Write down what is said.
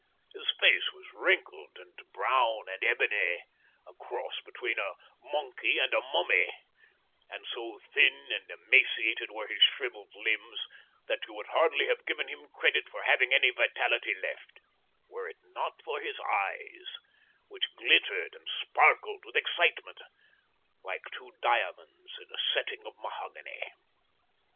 His face was wrinkled and brown and ebony, a cross between a monkey and a mummy, and so thin and emaciated were his shrivelled limbs that you would hardly have given him credit for having any vitality left, were it not for his eyes, which glittered and sparkled with excitement, like two diamonds in a setting of mahogany.